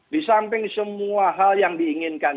di samping semua hal yang diinginkan